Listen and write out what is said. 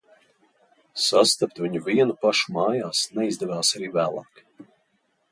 Sastapt viņu vienu pašu mājās neizdevās arī vēlāk.